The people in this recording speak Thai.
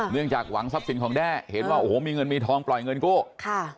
จากหวังทรัพย์สินของแด้เห็นว่าโอ้โหมีเงินมีทองปล่อยเงินกู้ค่ะ